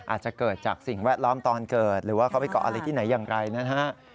อาจจะเกิดจากสิ่งแวดล้อมตอนเกิดหรือว่าเขาไปเกาะอะไรที่ไหนอย่างไรนะฮะ